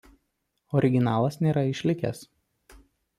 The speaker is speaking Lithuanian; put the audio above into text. Originalas nėra išlikęs.